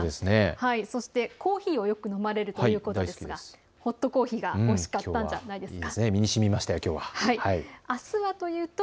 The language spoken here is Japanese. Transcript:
そしてコーヒーをよく飲まれるということですが、ホットコーヒーがおいしかったんじゃないですか。